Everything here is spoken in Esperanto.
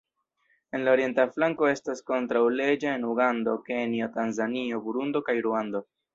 En la orienta flanko estas kontraŭleĝa en Ugando, Kenjo, Tanzanio, Burundo kaj Ruando.